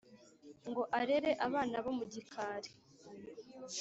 ngo arere abana bo mu gikari